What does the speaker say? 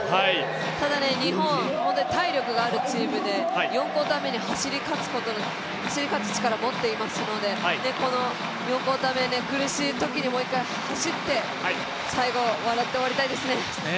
ただ、日本、体力があるチームで４クオーター目に走り勝つ力を持っていますので４クオーター目、苦しいときにもう一回走って、最後笑って終わりたいですね。